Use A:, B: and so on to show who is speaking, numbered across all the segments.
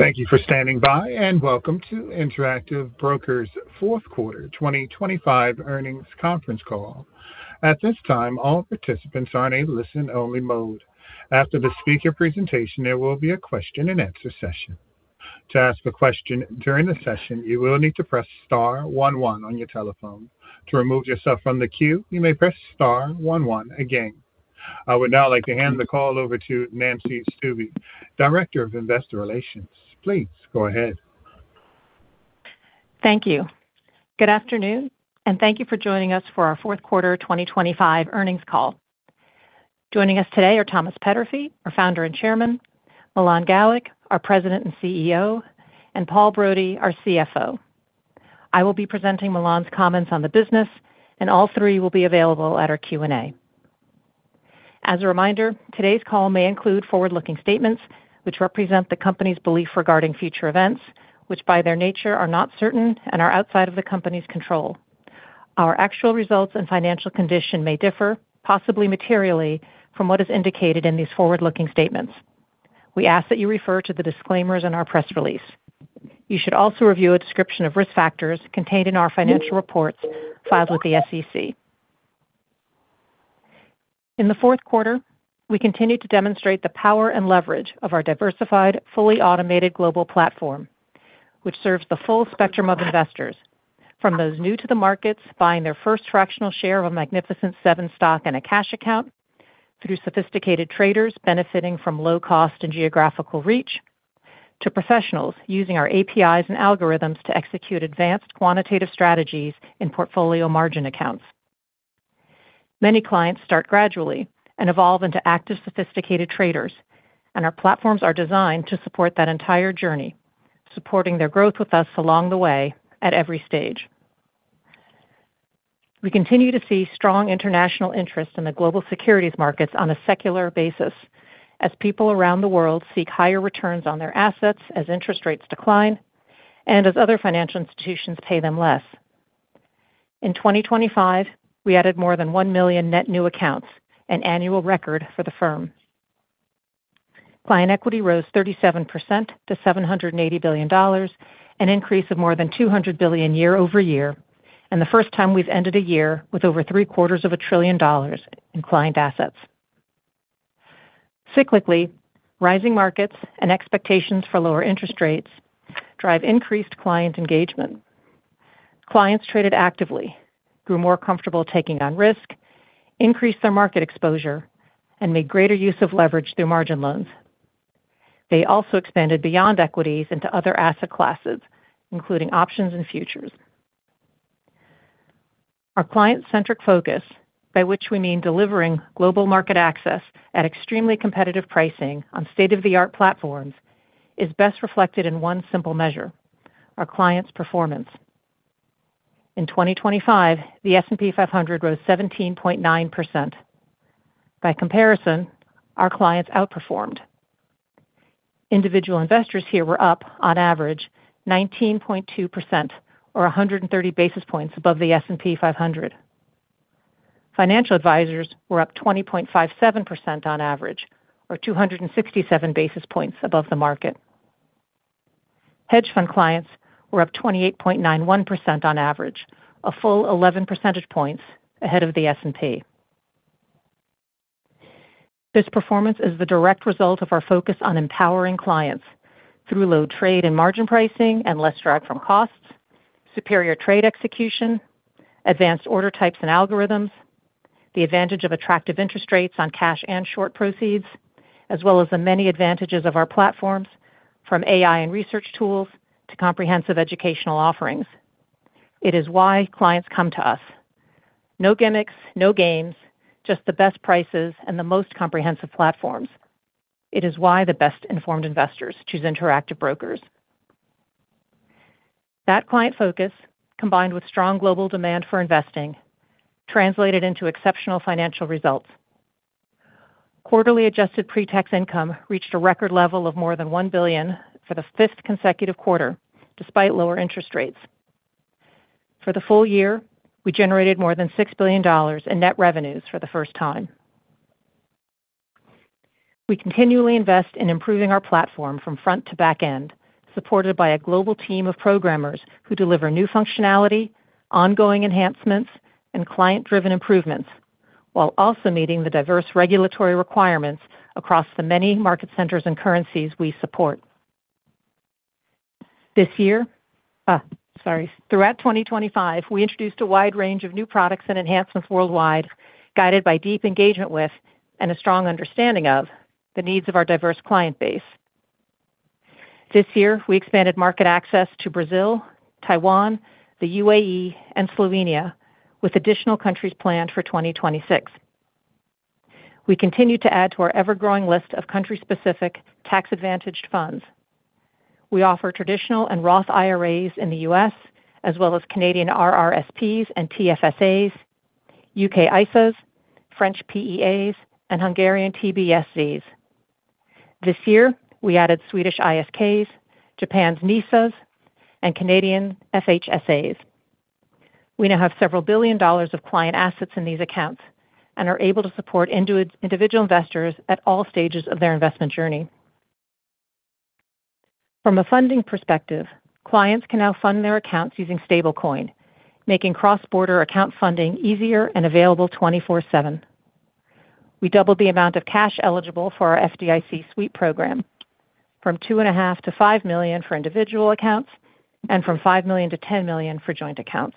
A: Thank you for standing by, and welcome to Interactive Brokers' Fourth Quarter 2025 earnings conference call. At this time, all participants are in a listen-only mode. After the speaker presentation, there will be a question-and-answer session. To ask a question during the session, you will need to press star 11 on your telephone. To remove yourself from the queue, you may press star one one again. I would now like to hand the call over to Nancy Stuebe, Director of Investor Relations. Please go ahead.
B: Thank you. Good afternoon, and thank you for joining us for our Fourth Quarter 2025 earnings call. Joining us today are Thomas Peterffy, our Founder and Chairman, Milan Galik, our President and CEO, and Paul Brody, our CFO. I will be presenting Milan's comments on the business, and all three will be available at our Q&A. As a reminder, today's call may include forward-looking statements which represent the company's belief regarding future events, which by their nature are not certain and are outside of the company's control. Our actual results and financial condition may differ, possibly materially, from what is indicated in these forward-looking statements. We ask that you refer to the disclaimers in our press release. You should also review a description of risk factors contained in our financial reports filed with the SEC. In the fourth quarter, we continue to demonstrate the power and leverage of our diversified, fully automated global platform, which serves the full spectrum of investors, from those new to the markets buying their first fractional share of a Magnificent Seven stock in a cash account, through sophisticated traders benefiting from low cost and geographical reach, to professionals using our APIs and algorithms to execute advanced quantitative strategies in portfolio margin accounts. Many clients start gradually and evolve into active, sophisticated traders, and our platforms are designed to support that entire journey, supporting their growth with us along the way at every stage. We continue to see strong international interest in the global securities markets on a secular basis as people around the world seek higher returns on their assets as interest rates decline and as other financial institutions pay them less. In 2025, we added more than 1 million net new accounts, an annual record for the firm. Client equity rose 37% to $780 billion, an increase of more than $200 billion year-over-year, and the first time we've ended a year with over three-quarters of a trillion dollars in client assets. Cyclically, rising markets and expectations for lower interest rates drive increased client engagement. Clients traded actively, grew more comfortable taking on risk, increased their market exposure, and made greater use of leverage through margin loans. They also expanded beyond equities into other asset classes, including options and futures. Our client-centric focus, by which we mean delivering global market access at extremely competitive pricing on state-of-the-art platforms, is best reflected in one simple measure: our clients' performance. In 2025, the S&P 500 rose 17.9%. By comparison, our clients outperformed. Individual investors here were up, on average, 19.2%, or 130 basis points above the S&P 500. Financial advisors were up 20.57% on average, or 267 basis points above the market. Hedge fund clients were up 28.91% on average, a full 11 percentage points ahead of the S&P. This performance is the direct result of our focus on empowering clients through low trade and margin pricing and less drag from costs, superior trade execution, advanced order types and algorithms, the advantage of attractive interest rates on cash and short proceeds, as well as the many advantages of our platforms, from AI and research tools to comprehensive educational offerings. It is why clients come to us. No gimmicks, no games, just the best prices and the most comprehensive platforms. It is why the best informed investors choose Interactive Brokers. That client focus, combined with strong global demand for investing, translated into exceptional financial results. Quarterly adjusted pre-tax income reached a record level of more than $1 billion for the fifth consecutive quarter, despite lower interest rates. For the full year, we generated more than $6 billion in net revenues for the first time. We continually invest in improving our platform from front to back end, supported by a global team of programmers who deliver new functionality, ongoing enhancements, and client-driven improvements, while also meeting the diverse regulatory requirements across the many market centers and currencies we support. Throughout 2025, we introduced a wide range of new products and enhancements worldwide, guided by deep engagement with and a strong understanding of the needs of our diverse client base. This year, we expanded market access to Brazil, Taiwan, the UAE, and Slovenia, with additional countries planned for 2026. We continue to add to our ever-growing list of country-specific tax-advantaged funds. We offer traditional and Roth IRAs in the U.S., as well as Canadian RRSPs and TFSAs, U.K. ISAs, French PEAs, and Hungarian TBSZs. This year, we added Swedish ISKs, Japan's NISAs, and Canadian FHSAs. We now have several billion dollars of client assets in these accounts and are able to support individual investors at all stages of their investment journey. From a funding perspective, clients can now fund their accounts using stablecoin, making cross-border account funding easier and available 24/7. We doubled the amount of cash eligible for our FDIC sweep program, from $2.5 million to $5 million for individual accounts and from $5 million to $10 million for joint accounts.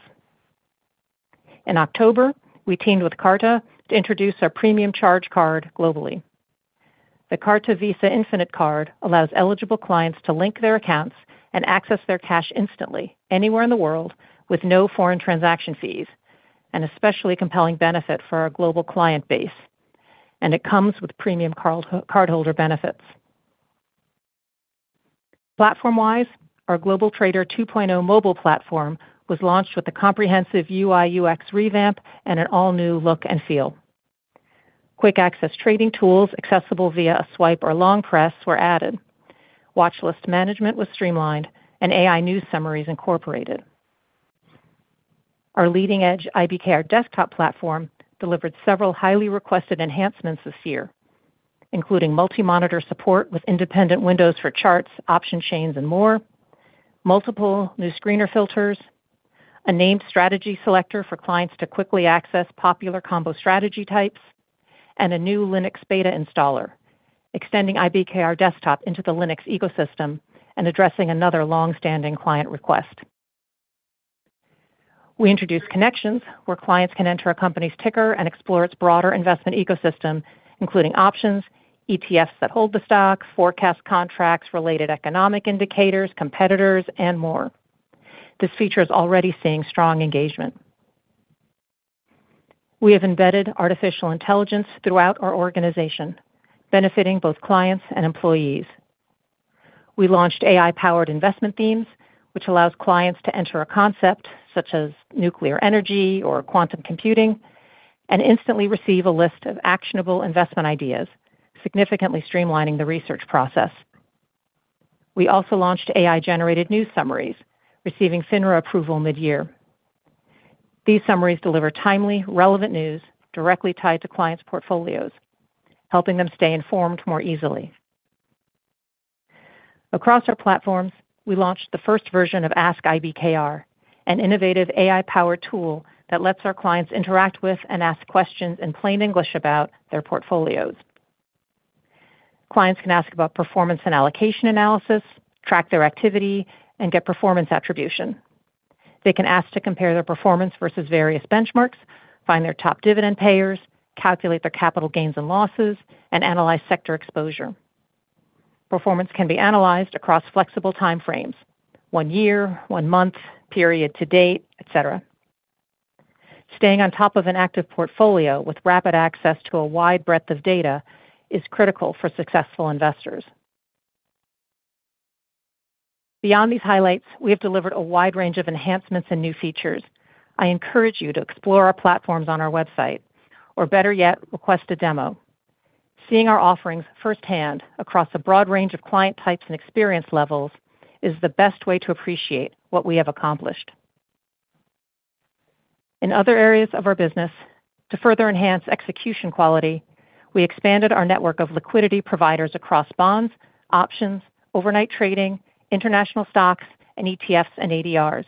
B: In October, we teamed with Carta to introduce our premium charge card globally. The Carta Visa Infinite Card allows eligible clients to link their accounts and access their cash instantly anywhere in the world with no foreign transaction fees, an especially compelling benefit for our global client base, and it comes with premium cardholder benefits. Platform-wise, our GlobalTrader 2.0 mobile platform was launched with the comprehensive UI/UX revamp and an all-new look and feel. Quick-access trading tools accessible via a swipe or long press were added, watchlist management was streamlined, and AI news summaries incorporated. Our leading-edge IBKR Desktop platform delivered several highly requested enhancements this year, including multi-monitor support with independent windows for charts, option chains, and more, multiple new screener filters, a named strategy selector for clients to quickly access popular combo strategy types, and a new Linux beta installer, extending IBKR Desktop into the Linux ecosystem and addressing another long-standing client request. We introduced connections where clients can enter a company's ticker and explore its broader investment ecosystem, including options, ETFs that hold the stock, forecast contracts, related economic indicators, competitors, and more. This feature is already seeing strong engagement. We have embedded artificial intelligence throughout our organization, benefiting both clients and employees. We launched AI-powered investment themes, which allows clients to enter a concept such as nuclear energy or quantum computing and instantly receive a list of actionable investment ideas, significantly streamlining the research process. We also launched AI-generated news summaries, receiving FINRA approval mid-year. These summaries deliver timely, relevant news directly tied to clients' portfolios, helping them stay informed more easily. Across our platforms, we launched the first version of Ask IBKR, an innovative AI-powered tool that lets our clients interact with and ask questions in plain English about their portfolios. Clients can ask about performance and allocation analysis, track their activity, and get performance attribution. They can ask to compare their performance versus various benchmarks, find their top dividend payers, calculate their capital gains and losses, and analyze sector exposure. Performance can be analyzed across flexible time frames: one year, one month, period to date, etc. Staying on top of an active portfolio with rapid access to a wide breadth of data is critical for successful investors. Beyond these highlights, we have delivered a wide range of enhancements and new features. I encourage you to explore our platforms on our website, or better yet, request a demo. Seeing our offerings firsthand across a broad range of client types and experience levels is the best way to appreciate what we have accomplished. In other areas of our business, to further enhance execution quality, we expanded our network of liquidity providers across bonds, options, overnight trading, international stocks, and ETFs and ADRs,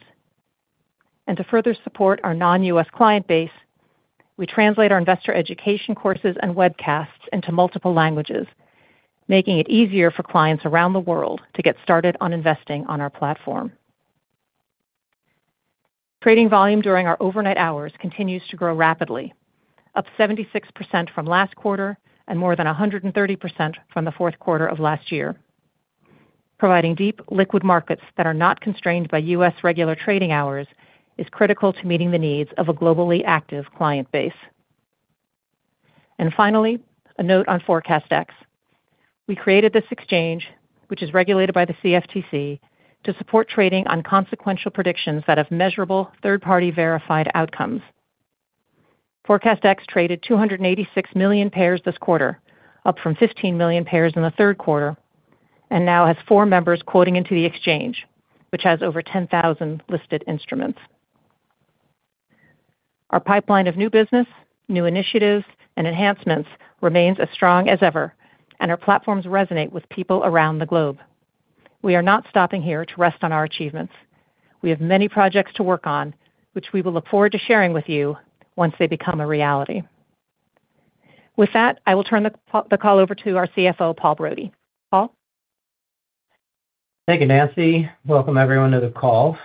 B: and to further support our non-U.S. client base, we translate our investor education courses and webcasts into multiple languages, making it easier for clients around the world to get started on investing on our platform. Trading volume during our overnight hours continues to grow rapidly, up 76% from last quarter and more than 130% from the fourth quarter of last year. Providing deep, liquid markets that are not constrained by U.S. regular trading hours is critical to meeting the needs of a globally active client base, and finally, a note on ForecastX. We created this exchange, which is regulated by the CFTC, to support trading on consequential predictions that have measurable third-party verified outcomes. ForecastX traded 286 million pairs this quarter, up from 15 million pairs in the third quarter, and now has four members quoting into the exchange, which has over 10,000 listed instruments. Our pipeline of new business, new initiatives, and enhancements remains as strong as ever, and our platforms resonate with people around the globe. We are not stopping here to rest on our achievements. We have many projects to work on, which we will look forward to sharing with you once they become a reality. With that, I will turn the call over to our CFO, Paul Brody. Paul?
C: Thank you, Nancy. Welcome everyone to the call.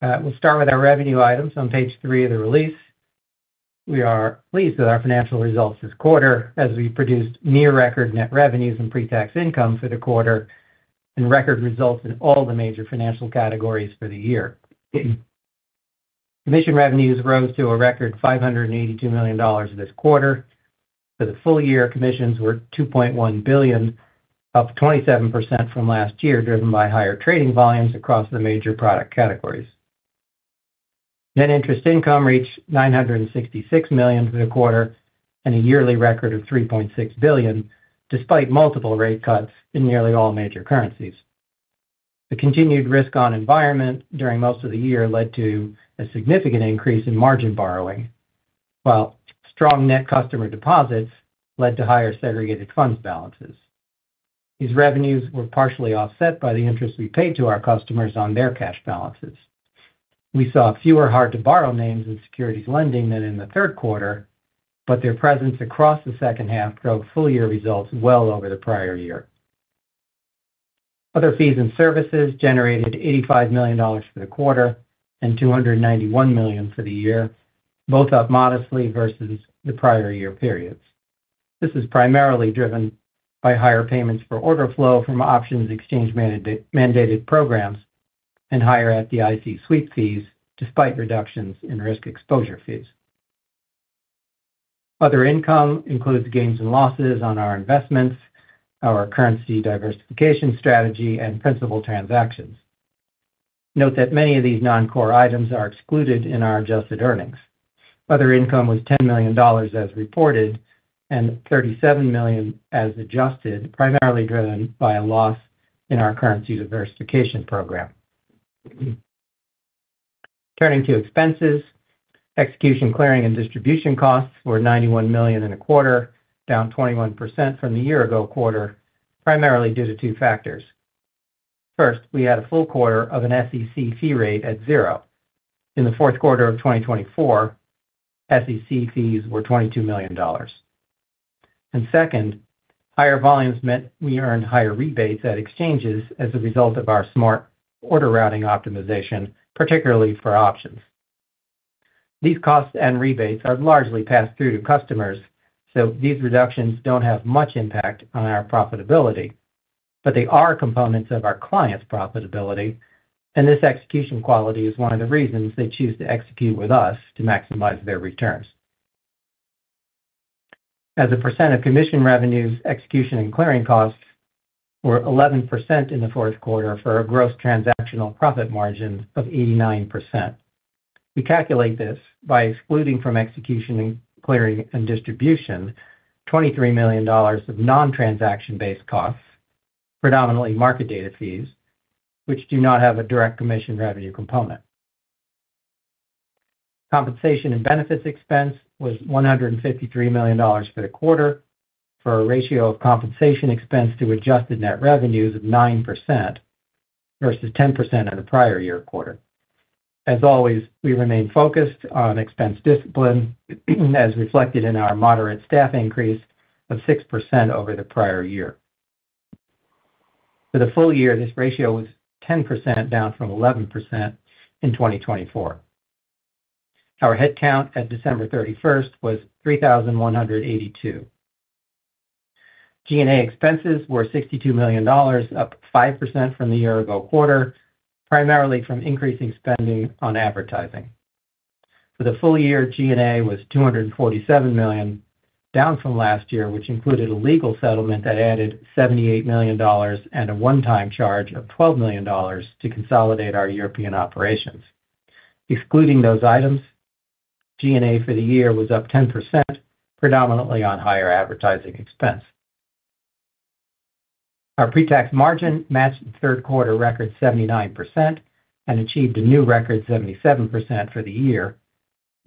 C: We'll start with our revenue items on page three of the release. We are pleased with our financial results this quarter as we produced near-record net revenues and pre-tax income for the quarter and record results in all the major financial categories for the year. Commission revenues rose to a record $582 million this quarter. For the full year, commissions were $2.1 billion, up 27% from last year, driven by higher trading volumes across the major product categories. Net interest income reached $966 million for the quarter and a yearly record of $3.6 billion, despite multiple rate cuts in nearly all major currencies. The continued risk-on environment during most of the year led to a significant increase in margin borrowing, while strong net customer deposits led to higher segregated funds balances. These revenues were partially offset by the interest we paid to our customers on their cash balances. We saw fewer hard-to-borrow names in securities lending than in the third quarter, but their presence across the second half drove full-year results well over the prior year. Other fees and services generated $85 million for the quarter and $291 million for the year, both up modestly versus the prior year periods. This is primarily driven by higher payments for order flow from options exchange-mandated programs and higher FDIC sweep fees, despite reductions in risk exposure fees. Other income includes gains and losses on our investments, our currency diversification strategy, and principal transactions. Note that many of these non-core items are excluded in our adjusted earnings. Other income was $10 million as reported and $37 million as adjusted, primarily driven by a loss in our currency diversification program. Turning to expenses, execution clearing and distribution costs were $91 million in the quarter, down 21% from the year-ago quarter, primarily due to two factors. First, we had a full quarter of an SEC fee rate at zero. In the fourth quarter of 2024, SEC fees were $22 million. And second, higher volumes meant we earned higher rebates at exchanges as a result of our smart order routing optimization, particularly for options. These costs and rebates are largely passed through to customers, so these reductions don't have much impact on our profitability, but they are components of our clients' profitability, and this execution quality is one of the reasons they choose to execute with us to maximize their returns. As a percent of commission revenues, execution and clearing costs were 11% in the fourth quarter for a gross transactional profit margin of 89%. We calculate this by excluding from execution and clearing and distribution $23 million of non-transaction-based costs, predominantly market data fees, which do not have a direct commission revenue component. Compensation and benefits expense was $153 million for the quarter, for a ratio of compensation expense to adjusted net revenues of 9% versus 10% in the prior year quarter. As always, we remain focused on expense discipline, as reflected in our moderate staff increase of 6% over the prior year. For the full year, this ratio was 10%, down from 11% in 2024. Our headcount at December 31st was 3,182. G&A expenses were $62 million, up 5% from the year-ago quarter, primarily from increasing spending on advertising. For the full year, G&A was $247 million, down from last year, which included a legal settlement that added $78 million and a one-time charge of $12 million to consolidate our European operations. Excluding those items, G&A for the year was up 10%, predominantly on higher advertising expense. Our pre-tax margin matched the third quarter record 79% and achieved a new record 77% for the year,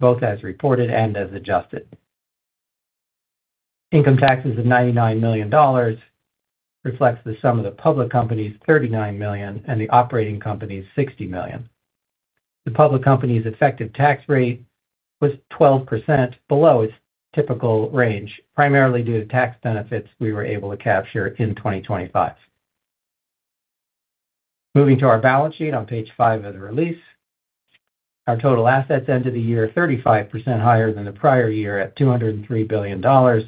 C: both as reported and as adjusted. Income taxes of $99 million reflect the sum of the public company's $39 million and the operating company's $60 million. The public company's effective tax rate was 12% below its typical range, primarily due to tax benefits we were able to capture in 2025. Moving to our balance sheet on page five of the release, our total assets ended the year 35% higher than the prior year at $203 billion,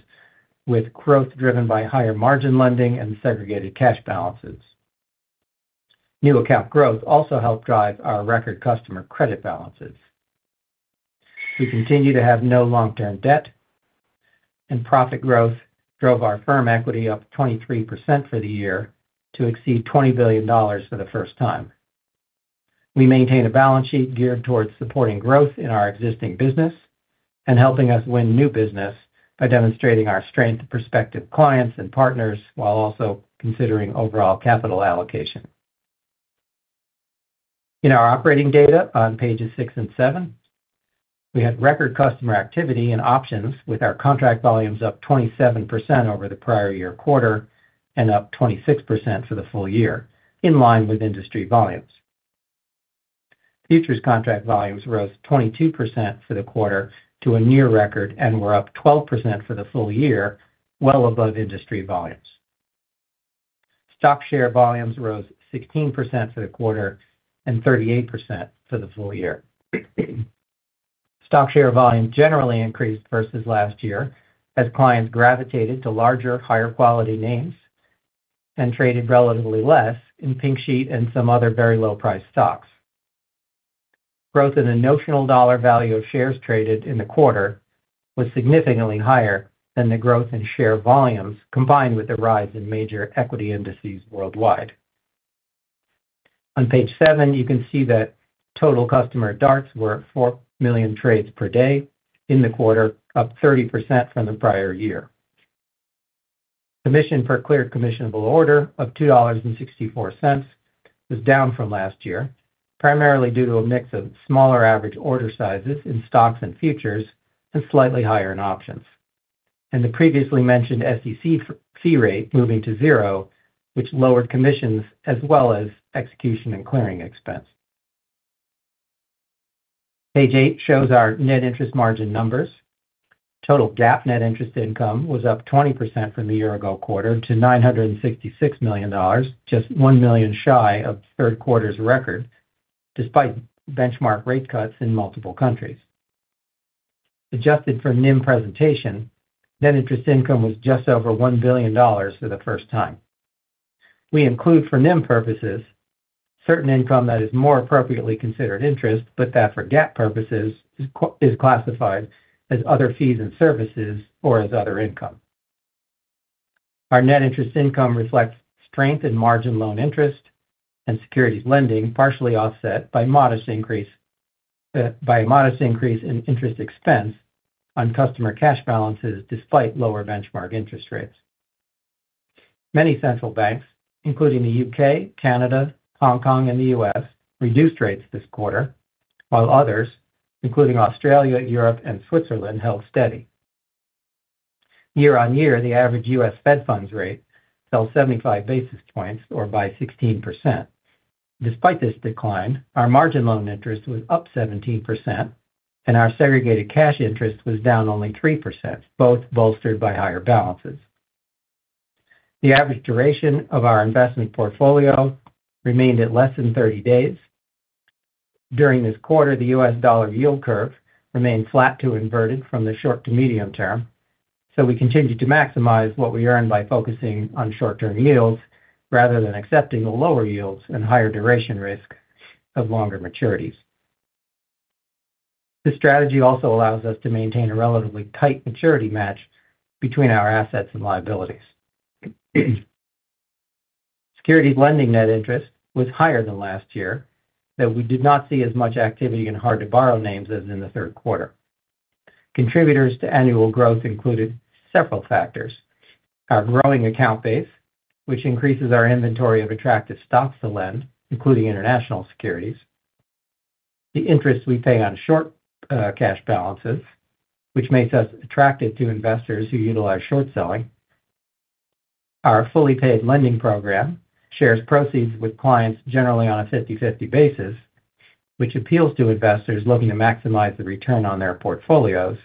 C: with growth driven by higher margin lending and segregated cash balances. New account growth also helped drive our record customer credit balances. We continue to have no long-term debt, and profit growth drove our firm equity up 23% for the year to exceed $20 billion for the first time. We maintain a balance sheet geared towards supporting growth in our existing business and helping us win new business by demonstrating our strength to prospective clients and partners while also considering overall capital allocation. In our operating data on pages six and seven, we had record customer activity in options with our contract volumes up 27% over the prior year quarter and up 26% for the full year, in line with industry volumes. Futures contract volumes rose 22% for the quarter to a near record and were up 12% for the full year, well above industry volumes. Stock share volumes rose 16% for the quarter and 38% for the full year. Stock share volume generally increased versus last year as clients gravitated to larger, higher-quality names and traded relatively less in Pink Sheet and some other very low-priced stocks. Growth in the notional dollar value of shares traded in the quarter was significantly higher than the growth in share volumes combined with the rise in major equity indices worldwide. On page seven, you can see that total customer DARTs were 4 million trades per day in the quarter, up 30% from the prior year. Commission per cleared commissionable order of $2.64 was down from last year, primarily due to a mix of smaller average order sizes in stocks and futures and slightly higher in options, and the previously mentioned SEC fee rate moving to zero, which lowered commissions as well as execution and clearing expense. Page eight shows our net interest margin numbers. Total GAAP net interest income was up 20% from the year-ago quarter to $966 million, just one million shy of third quarter's record, despite benchmark rate cuts in multiple countries. Adjusted for NIM presentation, net interest income was just over $1 billion for the first time. We include for NIM purposes certain income that is more appropriately considered interest, but that for GAAP purposes is classified as other fees and services or as other income. Our net interest income reflects strength in margin loan interest and securities lending, partially offset by a modest increase in interest expense on customer cash balances despite lower benchmark interest rates. Many central banks, including the U.K., Canada, Hong Kong, and the U.S., reduced rates this quarter, while others, including Australia, Europe, and Switzerland, held steady. Year-on-year, the average U.S. Fed Funds Rate fell 75 basis points, or by 16%. Despite this decline, our margin loan interest was up 17%, and our segregated cash interest was down only 3%, both bolstered by higher balances. The average duration of our investment portfolio remained at less than 30 days. During this quarter, the U.S. dollar yield curve remained flat to inverted from the short to medium term, so we continued to maximize what we earned by focusing on short-term yields rather than accepting the lower yields and higher duration risk of longer maturities. This strategy also allows us to maintain a relatively tight maturity match between our assets and liabilities. Securities lending net interest was higher than last year, though we did not see as much activity in hard-to-borrow names as in the third quarter. Contributors to annual growth included several factors: our growing account base, which increases our inventory of attractive stocks to lend, including international securities, the interest we pay on short cash balances, which makes us attractive to investors who utilize short selling, our fully paid lending program shares proceeds with clients generally on a 50/50 basis, which appeals to investors looking to maximize the return on their portfolios,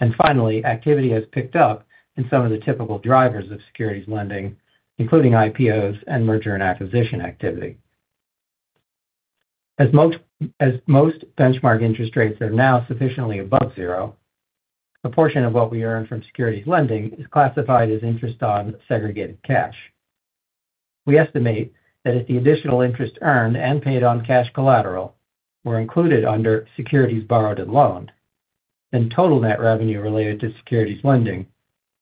C: and finally, activity has picked up in some of the typical drivers of securities lending, including IPOs and merger and acquisition activity. As most benchmark interest rates are now sufficiently above zero, a portion of what we earn from securities lending is classified as interest on segregated cash. We estimate that if the additional interest earned and paid on cash collateral were included under securities borrowed and loaned, then total net revenue related to securities lending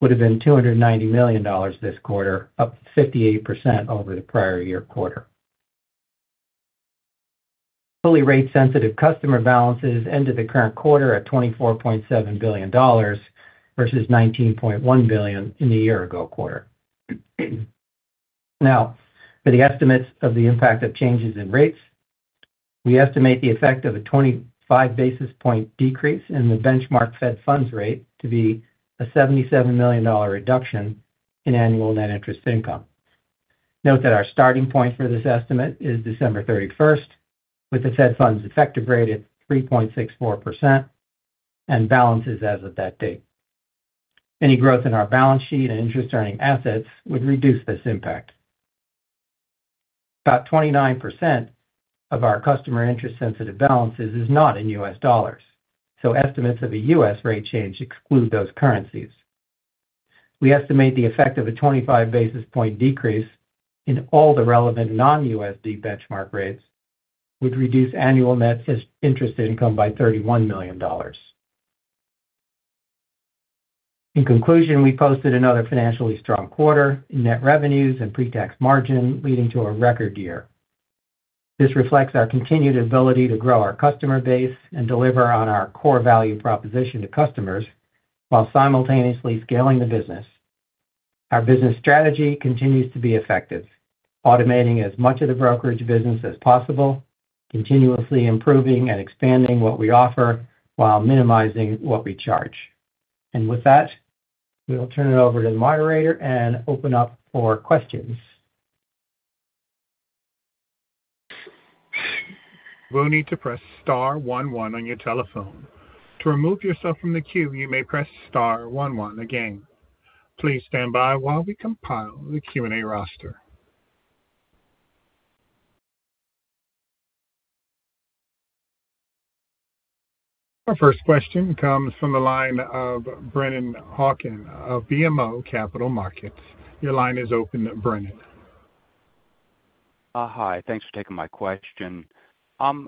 C: would have been $290 million this quarter, up 58% over the prior year quarter. Fully rate-sensitive customer balances ended the current quarter at $24.7 billion versus $19.1 billion in the year-ago quarter. Now, for the estimates of the impact of changes in rates, we estimate the effect of a 25 basis points decrease in the benchmark Fed funds rate to be a $77 million reduction in annual net interest income. Note that our starting point for this estimate is December 31st, with the Fed funds effective rate at 3.64% and balances as of that date. Any growth in our balance sheet and interest-earning assets would reduce this impact. About 29% of our customer interest-sensitive balances is not in U.S. dollars, so estimates of a U.S. rate change exclude those currencies. We estimate the effect of a 25 basis point decrease in all the relevant non-USD benchmark rates would reduce annual net interest income by $31 million. In conclusion, we posted another financially strong quarter in net revenues and pre-tax margin, leading to a record year. This reflects our continued ability to grow our customer base and deliver on our core value proposition to customers while simultaneously scaling the business. Our business strategy continues to be effective, automating as much of the brokerage business as possible, continuously improving and expanding what we offer while minimizing what we charge, and with that, we will turn it over to the moderator and open up for questions.
A: We'll need to press star one one on your telephone. To remove yourself from the queue, you may press star one one again. Please stand by while we compile the Q&A roster. Our first question comes from the line of Brennan Hawken of BMO Capital Markets. Your line is open, Brennan.
D: Hi, thanks for taking my question. I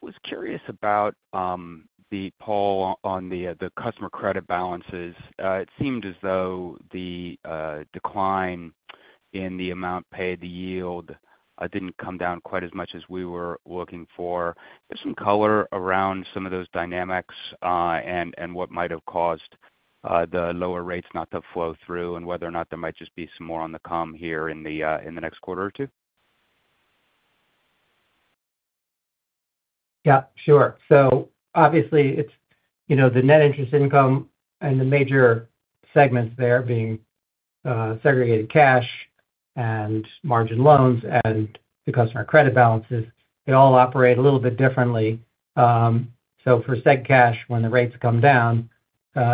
D: was curious about the pool on the customer credit balances. It seemed as though the decline in the amount paid, the yield, didn't come down quite as much as we were looking for. There's some color around some of those dynamics and what might have caused the lower rates not to flow through and whether or not there might just be some more on the come here in the next quarter or two.
C: Yeah, sure. So obviously, the net interest income and the major segments there being segregated cash and margin loans and the customer credit balances, they all operate a little bit differently. So for seg cash, when the rates come down,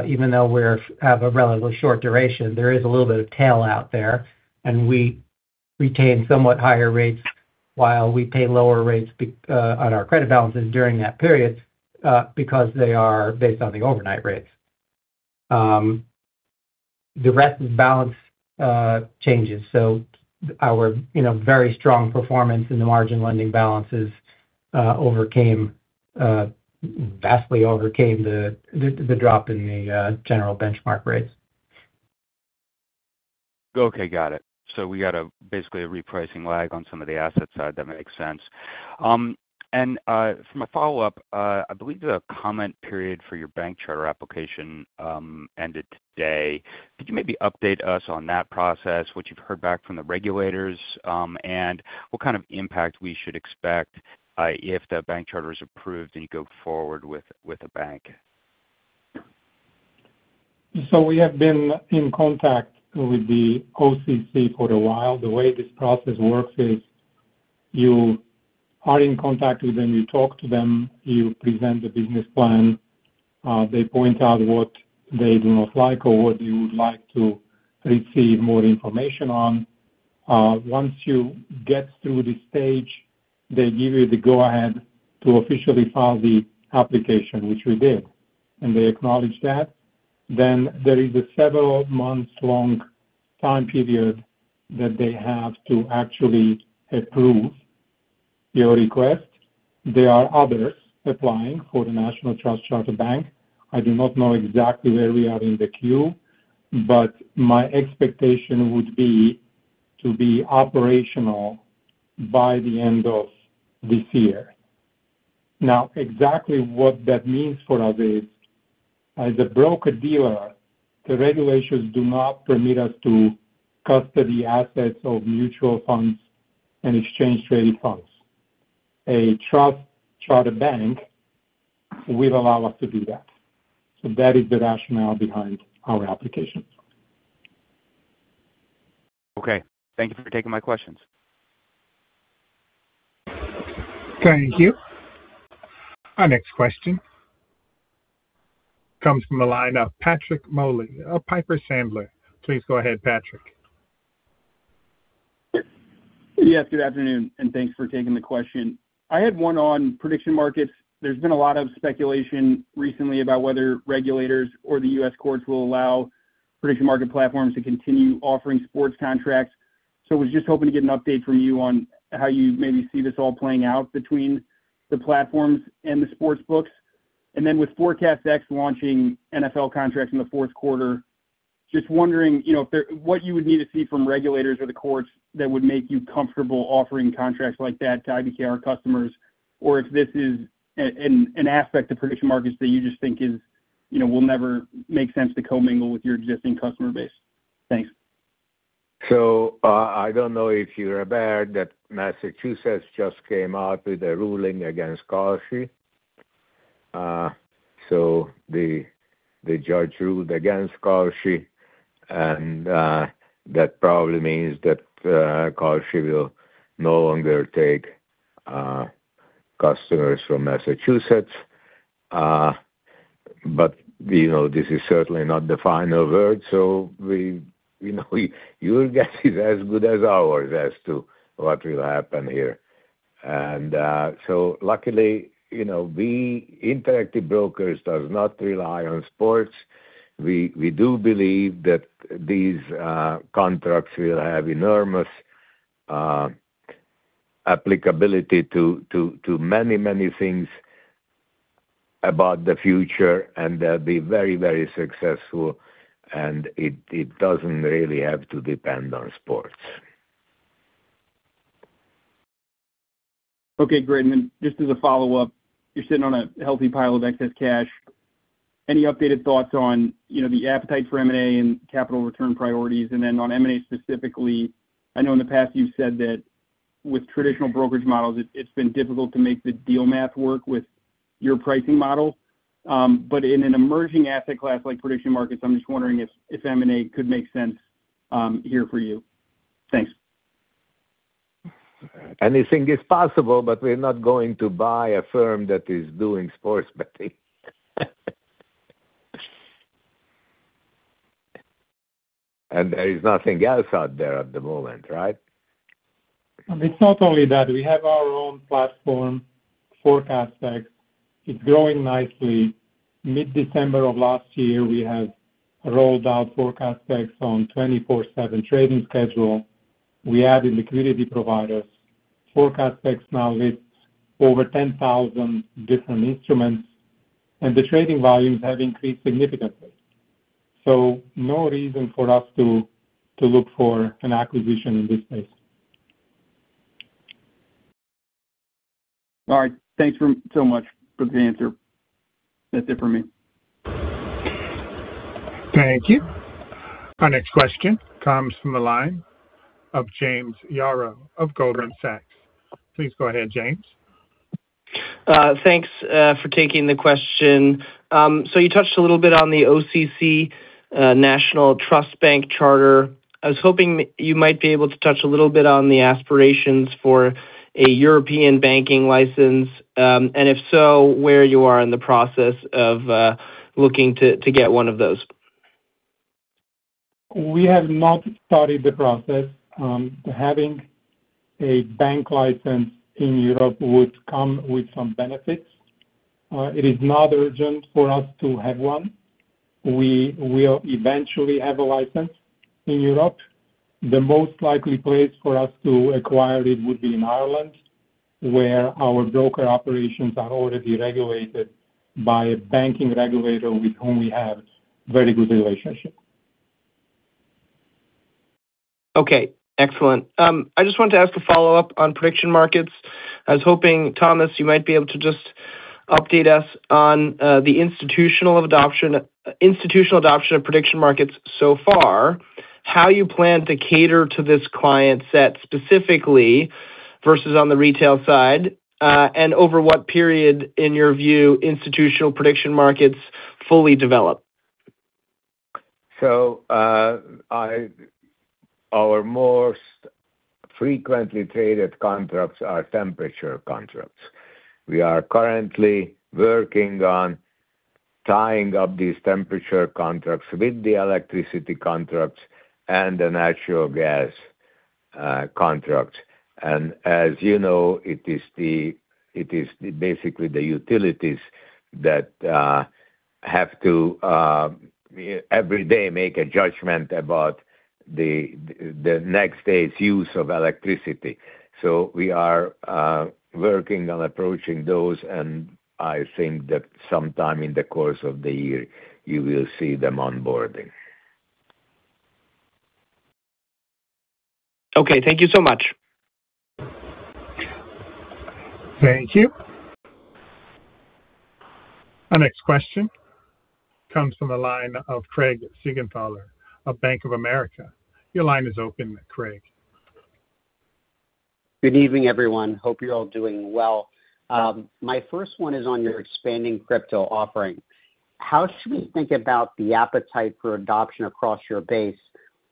C: even though we have a relatively short duration, there is a little bit of tail out there, and we retain somewhat higher rates while we pay lower rates on our credit balances during that period because they are based on the overnight rates. The rest of the balance changes. So our very strong performance in the margin lending balances vastly overcame the drop in the general benchmark rates.
D: Okay, got it. So we got basically a repricing lag on some of the asset side that makes sense. And for my follow-up, I believe the comment period for your bank charter application ended today. Could you maybe update us on that process, what you've heard back from the regulators, and what kind of impact we should expect if the bank charter is approved and you go forward with the bank?
E: So we have been in contact with the OCC for a while. The way this process works is you are in contact with them, you talk to them, you present the business plan, they point out what they do not like or what they would like to receive more information on. Once you get through this stage, they give you the go-ahead to officially file the application, which we did, and they acknowledge that. Then there is a several-month-long time period that they have to actually approve your request. There are others applying for the National Trust Charter Bank. I do not know exactly where we are in the queue, but my expectation would be to be operational by the end of this year. Now, exactly what that means for us is, as a broker-dealer, the regulations do not permit us to custody assets of mutual funds and exchange-traded funds. A trust charter bank will allow us to do that. So that is the rationale behind our application.
D: Okay. Thank you for taking my questions.
A: Thank you. Our next question comes from the line of Patrick Moley with Piper Sandler. Please go ahead, Patrick.
F: Yes, good afternoon, and thanks for taking the question. I had one on prediction markets. There's been a lot of speculation recently about whether regulators or the U.S. courts will allow prediction market platforms to continue offering sports contracts. I was just hoping to get an update from you on how you maybe see this all playing out between the platforms and the sports books. And then with ForecastX launching NFL contracts in the fourth quarter, just wondering what you would need to see from regulators or the courts that would make you comfortable offering contracts like that to IBKR customers, or if this is an aspect of prediction markets that you just think will never make sense to co-mingle with your existing customer base. Thanks.
G: I don't know if you're aware that Massachusetts just came out with a ruling against Kalshi. The judge ruled against Kalshi, and that probably means that Kalshi will no longer take customers from Massachusetts. This is certainly not the final word, so your guess is as good as ours as to what will happen here. And so luckily, Interactive Brokers does not rely on sports. We do believe that these contracts will have enormous applicability to many, many things about the future, and they'll be very, very successful, and it doesn't really have to depend on sports.
F: Okay, great. And then just as a follow-up, you're sitting on a healthy pile of excess cash. Any updated thoughts on the appetite for M&A and capital return priorities? And then on M&A specifically, I know in the past you've said that with traditional brokerage models, it's been difficult to make the deal math work with your pricing model. But in an emerging asset class like prediction markets, I'm just wondering if M&A could make sense here for you. Thanks.
G: Anything is possible, but we're not going to buy a firm that is doing sports betting. And there is nothing else out there at the moment, right?
E: It's not only that. We have our own platform, ForecastX. It's growing nicely. Mid-December of last year, we have rolled out ForecastX on a 24/7 trading schedule. We added liquidity providers. ForecastX now lists over 10,000 different instruments, and the trading volumes have increased significantly. So no reason for us to look for an acquisition in this space.
F: All right. Thanks so much for the answer. That's it for me.
A: Thank you. Our next question comes from the line of James Yaro of Goldman Sachs. Please go ahead, James.
H: Thanks for taking the question. So you touched a little bit on the OCC National Trust Bank Charter. I was hoping you might be able to touch a little bit on the aspirations for a European banking license, and if so, where you are in the process of looking to get one of those.
G: We have not started the process. Having a bank license in Europe would come with some benefits. It is not urgent for us to have one. We will eventually have a license in Europe. The most likely place for us to acquire it would be in Ireland, where our broker operations are already regulated by a banking regulator with whom we have very good relationships.
H: Okay. Excellent. I just wanted to ask a follow-up on prediction markets. I was hoping, Thomas, you might be able to just update us on the institutional adoption of prediction markets so far, how you plan to cater to this client set specifically versus on the retail side, and over what period, in your view, institutional prediction markets fully develop.
G: So our most frequently traded contracts are temperature contracts. We are currently working on tying up these temperature contracts with the electricity contracts and the natural gas contracts, and as you know, it is basically the utilities that have to every day make a judgment about the next day's use of electricity, so we are working on approaching those, and I think that sometime in the course of the year, you will see them onboarding.
H: Okay. Thank you so much.
A: Thank you. Our next question comes from the line of Craig Siegenthaler of Bank of America. Your line is open, Craig.
I: Good evening, everyone. Hope you're all doing well. My first one is on your expanding crypto offering. How should we think about the appetite for adoption across your base?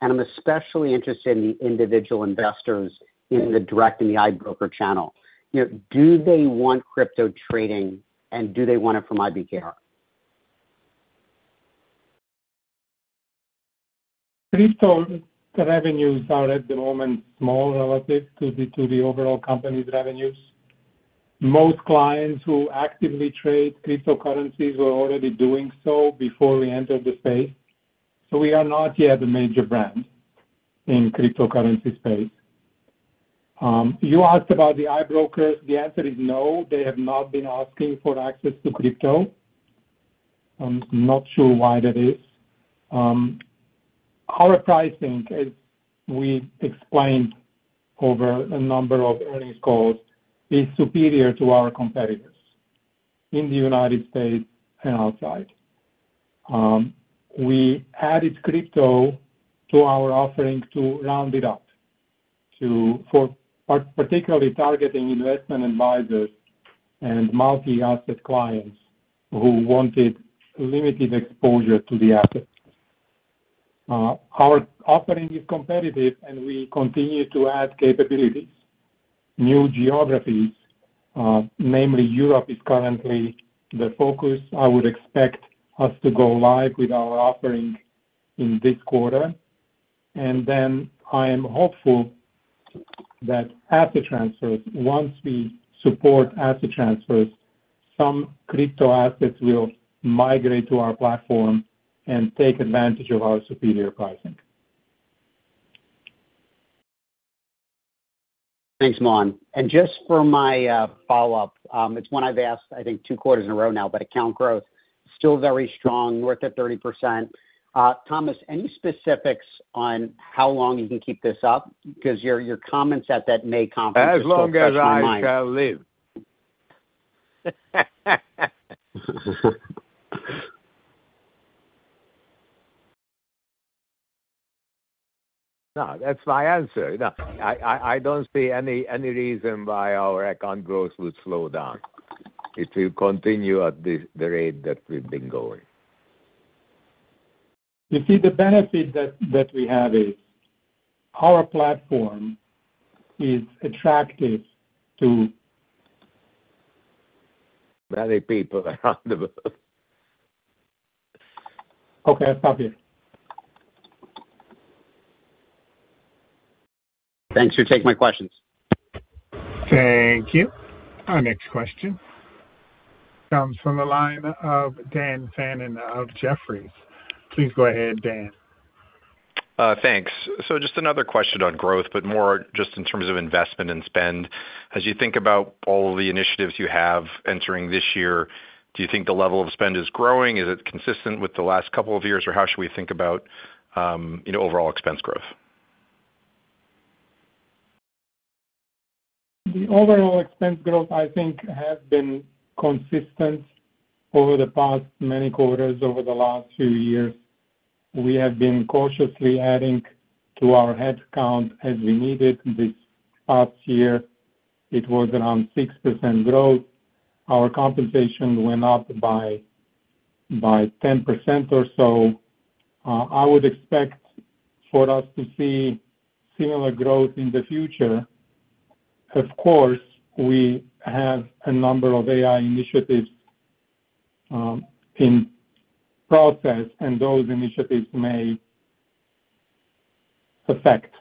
I: And I'm especially interested in the individual investors in the direct and the IBKR channel. Do they want crypto trading, and do they want it from IBKR?
E: Crypto revenues are at the moment small relative to the overall company's revenues. Most clients who actively trade cryptocurrencies were already doing so before we entered the space. So we are not yet a major brand in the cryptocurrency space. You asked about the IBKR. The answer is no. They have not been asking for access to crypto. I'm not sure why that is. Our pricing, as we explained over a number of earnings calls, is superior to our competitors in the United States and outside. We added crypto to our offering to round it up, particularly targeting investment advisors and multi-asset clients who wanted limited exposure to the asset. Our offering is competitive, and we continue to add capabilities, new geographies. Namely, Europe is currently the focus. I would expect us to go live with our offering in this quarter. And then I am hopeful that asset transfers, once we support asset transfers, some crypto assets will migrate to our platform and take advantage of our superior pricing. Thanks, Milan. And just for my follow-up, it's one I've asked, I think, two quarters in a row now, but account growth is still very strong, north of 30%. Thomas, any specifics on how long you can keep this up? Because your comments at that may confuse the customer mind.
G: As long as I shall live. No, that's my answer. I don't see any reason why our account growth would slow down if we continue at the rate that we've been going. You see, the benefit that we have is our platform is attractive to many people around the world.
I: Okay, I'll stop here. Thanks for taking my questions.
A: Thank you. Our next question comes from the line of Dan Fannon of Jefferies. Please go ahead, Dan.
J: Thanks. So just another question on growth, but more just in terms of investment and spend. As you think about all of the initiatives you have entering this year, do you think the level of spend is growing? Is it consistent with the last couple of years, or how should we think about overall expense growth?
E: The overall expense growth, I think, has been consistent over the past many quarters, over the last few years. We have been cautiously adding to our headcount as we needed. This past year, it was around 6% growth. Our compensation went up by 10% or so. I would expect for us to see similar growth in the future. Of course, we have a number of AI initiatives in process, and those initiatives may affect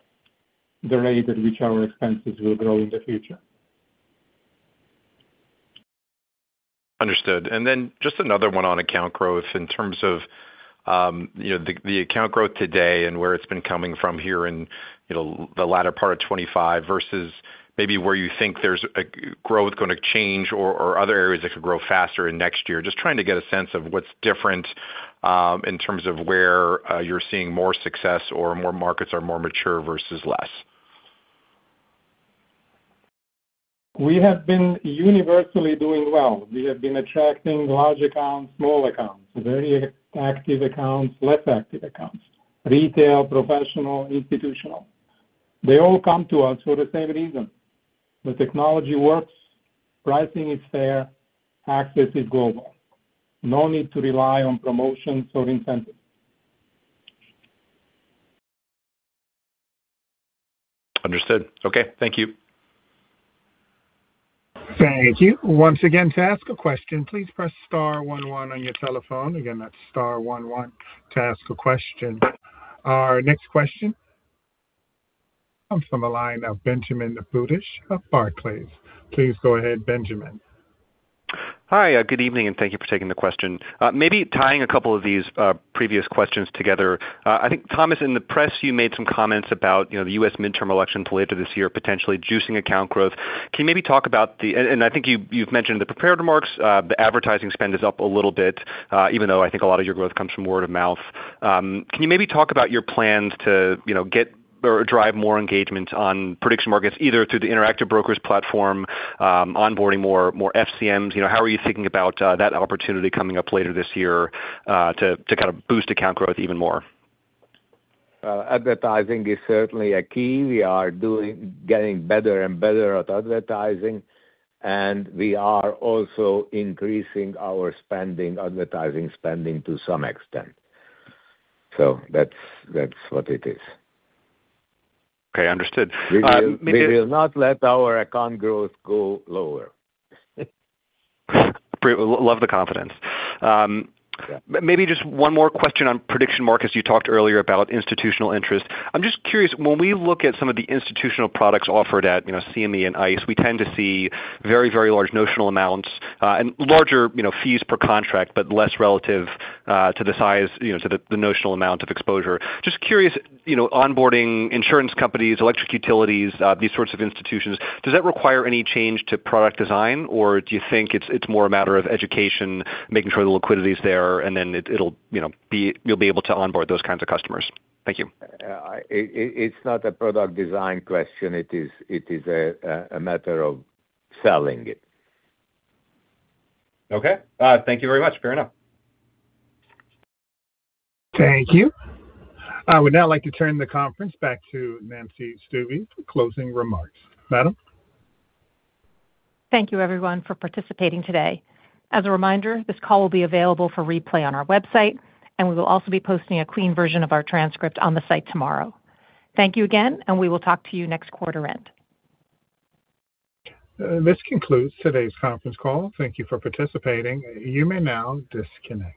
E: the rate at which our expenses will grow in the future.
J: Understood. And then just another one on account growth in terms of the account growth today and where it's been coming from here in the latter part of 2025 versus maybe where you think there's growth going to change or other areas that could grow faster in next year? Just trying to get a sense of what's different in terms of where you're seeing more success or more markets are more mature versus less?
E: We have been universally doing well. We have been attracting large accounts, small accounts, very active accounts, less active accounts, retail, professional, institutional. They all come to us for the same reason. The technology works, pricing is fair, access is global. No need to rely on promotions or incentives.
J: Understood. Okay. Thank you.
A: Thank you. Once again, to ask a question, please press star one one on your telephone. Again, that's star one one to ask a question. Our next question comes from the line of Benjamin Budish of Barclays. Please go ahead, Benjamin.
K: Hi, good evening, and thank you for taking the question. Maybe tying a couple of these previous questions together, I think, Thomas, in the press, you made some comments about the U.S. midterm election later this year potentially juicing account growth. Can you maybe talk about the, and I think you've mentioned the prepared remarks, the advertising spend is up a little bit, even though I think a lot of your growth comes from word of mouth. Can you maybe talk about your plans to get or drive more engagement on prediction markets, either through the Interactive Brokers platform, onboarding more FCMs? How are you thinking about that opportunity coming up later this year to kind of boost account growth even more?
G: Advertising is certainly a key. We are getting better and better at advertising, and we are also increasing our spending, advertising spending, to some extent. So that's what it is.
K: Okay. Understood.
G: We will not let our account growth go lower.
K: Love the confidence. Maybe just one more question on prediction markets. You talked earlier about institutional interest. I'm just curious, when we look at some of the institutional products offered at CME and ICE, we tend to see very, very large notional amounts and larger fees per contract, but less relative to the size, to the notional amount of exposure. Just curious, onboarding insurance companies, electric utilities, these sorts of institutions, does that require any change to product design, or do you think it's more a matter of education, making sure the liquidity is there, and then you'll be able to onboard those kinds of customers? Thank you.
G: It's not a product design question. It is a matter of selling it.
K: Okay. Thank you very much. Fair enough.
A: Thank you. I would now like to turn the conference back to Nancy Stuebe for closing remarks. Madam?
B: Thank you, everyone, for participating today. As a reminder, this call will be available for replay on our website, and we will also be posting a clean version of our transcript on the site tomorrow. Thank you again, and we will talk to you next quarter end.
A: This concludes today's conference call. Thank you for participating. You may now disconnect.